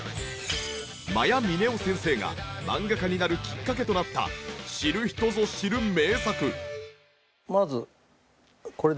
魔夜峰央先生が漫画家になるきっかけとなった知る人ぞ知る名作。